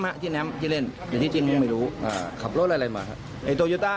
ได้ยินเสียงปรุ่นสักสามนัด